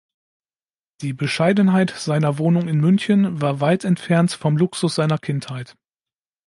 Die Bescheidenheit seiner Wohnung in München war weit entfernt vom Luxus seiner Kindheit.